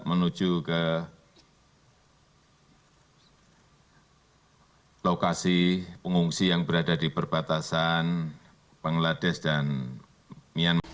menuju ke lokasi pengungsi yang berada di perbatasan bangladesh dan myanmar